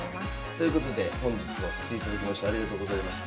ということで本日は来ていただきましてありがとうございました。